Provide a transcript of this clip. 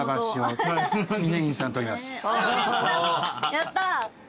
やった。